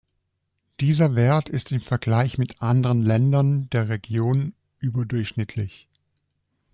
Dieser Wert ist im Vergleich mit anderen Ländern der Region überdurchschnittlich.